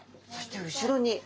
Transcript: そして後ろに。